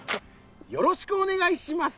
よろしくお願いします。